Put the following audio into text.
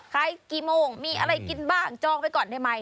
ขายกี่โมงมีอะไรกินบ้างจองไปก่อนได้ไหม